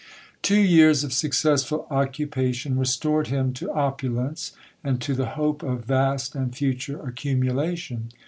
'Two years of successful occupation restored him to opulence, and to the hope of vast and future accumulation.